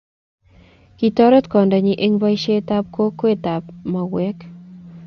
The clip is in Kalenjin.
kitoret kwandanyin eng boisietab kokwetab mauek